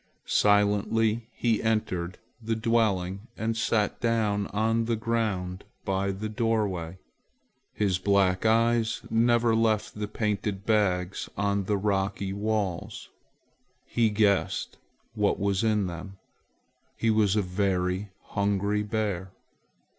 Silently he entered the dwelling and sat down on the ground by the doorway. His black eyes never left the painted bags on the rocky walls. He guessed what was in them. He was a very hungry bear.